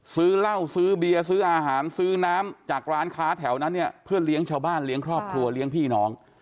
ซื้อเหล้าซื้อเบียร์ซื้ออาหารซื้อน้ำจากร้านค้าแถวนั้นเนี่ยเพื่อเลี้ยงชาวบ้านเลี้ยงครอบครัวเลี้ยงพี่น้อง